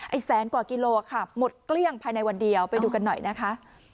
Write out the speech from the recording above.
แสนกว่ากิโลค่ะหมดเกลี้ยงภายในวันเดียวไปดูกันหน่อยนะคะ